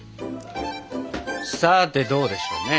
さてどうでしょうね。